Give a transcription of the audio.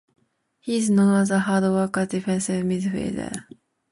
He is known as a hard working, defensive midfielder.